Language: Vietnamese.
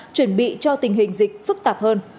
chuẩn bị cho tình hình dịch phức tạp hơn